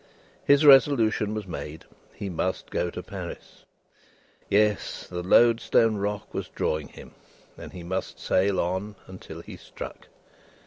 His resolution was made. He must go to Paris. Yes. The Loadstone Rock was drawing him, and he must sail on, until he struck.